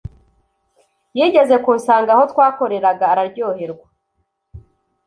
yigeze kunsanga aho twakoreraga araryoherwa,